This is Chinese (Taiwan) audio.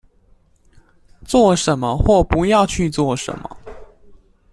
做什麼或不要去做什麼